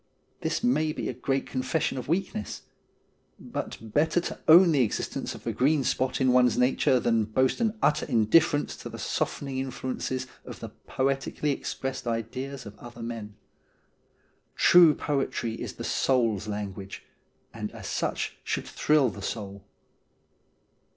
This may be a great confession of weakness ; but better to own to the existence of a green spot in one s nature than boast an utter indifference to the softening influences of the poetically expressed ideas of other men. True poetry is the soul's language, and as such should thrill the soul.